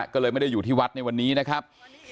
ก็เลยไม่ได้อยู่ที่วัดในวันนี้นะครับ